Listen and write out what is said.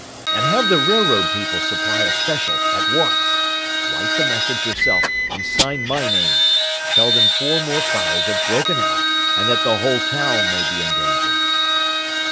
And have the railroad people supply a special at once. Write the message yourself, and sign my name. Tell them four more fires have broken out, and that the whole town may be in danger."